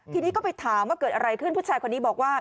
ทีนี้ก็ไปถามว่าเกิดอะไรขึ้นผู้ชายคนนี้บอกว่า